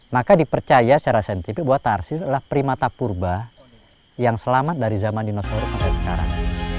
maka dipercaya secara saintifik bahwa tarsir adalah primata purba yang selamat dari zaman dinosaurus sampai sekarang